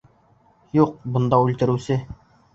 — Юҡ бында үлтереүсе!